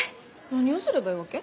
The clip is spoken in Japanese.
何をすればいいわけ？